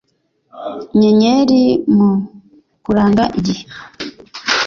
nyenyeri mu kuranga igihe